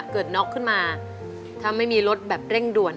น็อกขึ้นมาถ้าไม่มีรถแบบเร่งด่วน